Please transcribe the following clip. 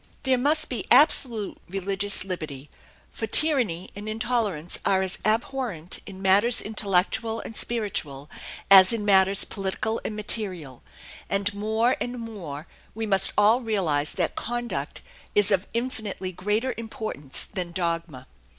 There must be absolute religious liberty, for tyranny and intolerance are as abhorrent in matters intellectual and spiritual as in matters political and material; and more and more we must all realize that conduct is of infinitely greater importance than dogma.